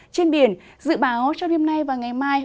trên biển dự báo trong đêm nay và ngày mai